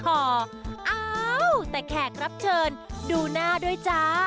อ้าวแต่แขกรับเชิญดูหน้าด้วยจ้า